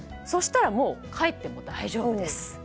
そしたらもう帰っても大丈夫なんです。